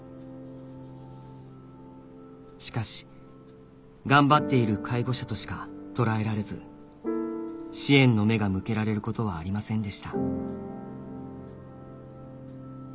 しかし頑張っている介護者としか捉えられず支援の目が向けられることはありませんでした